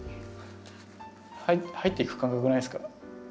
入っていく感覚ないですか？